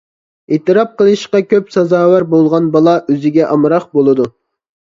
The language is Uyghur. ئېتىراپ قىلىشقا كۆپ سازاۋەر بولغان بالا، ئۆزىگە ئامراق بولىدۇ.